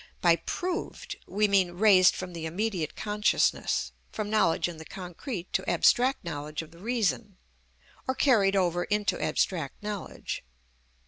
By "proved" we mean raised from the immediate consciousness, from knowledge in the concrete to abstract knowledge of the reason, or carried over into abstract knowledge.